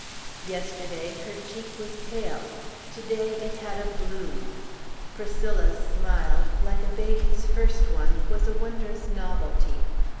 Yesterday, her cheek was pale, to day, it had a bloom. Priscilla's smile, like a baby's first one, was a wondrous novelty.